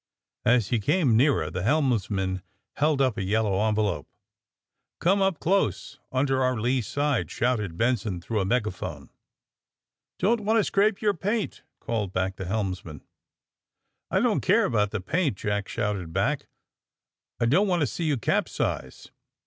As he came nearer the helmsman held np a yellow envelope. ^^ Come Tip close under our lee side, '' shouted Benson, through a megaphone. ^^ Don't want to scrape your paint," called back the helmsman. I don't care about the paint," Jack shouted back. "I don't want to see you capsize.